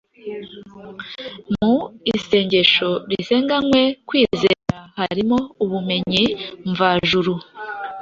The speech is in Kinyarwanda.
Mu isengesho risenganywe kwizera harimo ubumenyi mvajuru